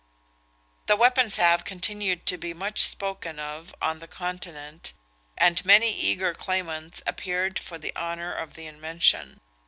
The weapon salve continued to be much spoken of on the Continent, and many eager claimants appeared for the honour of the invention.